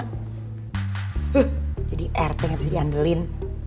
huh jadi rt gak bisa diandelin